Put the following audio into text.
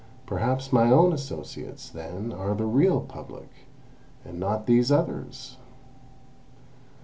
Perhaps my own associates, then, are the real Public, and not these others!"